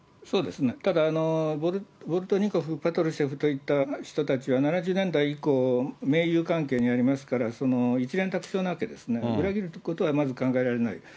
そうですね、ただ、ボルトニコフ、パトルシェフといった人たちは７０年代以降、盟友関係にありますから、一蓮托生なわけですね、裏切るということはまず考えられない。